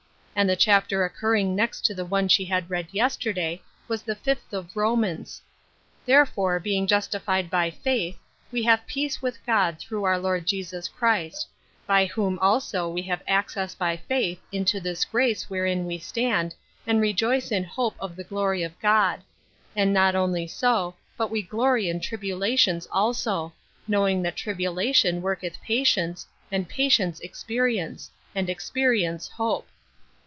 And the chapter occurring next to the one that she read yesterday was the fifth of Romans :" Therefore being justified by faith, we have peace with God through our Lord Jesus Christ : by whom also we have access by faith into this grace wherein 68 Ruth Erskines Crosses. we stand, and rejoice in hope of the glory of God. And not only so, but we glory in tribula tions also ; knowing that tribulation worketh patience ; and patience, experience ; and expe rience, hope."